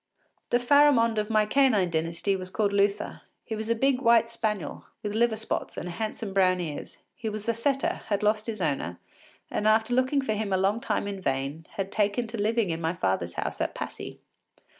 ” The Pharamond of my canine dynasty was called Luther. He was a big white spaniel, with liver spots, and handsome brown ears. He was a setter, had lost his owner, and after looking for him a long time in vain, had taken to living in my father’s house at Passy.